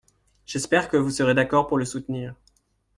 J’espère que vous serez d’accord pour le soutenir.